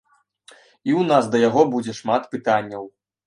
І ў нас да яго будзе шмат пытанняў.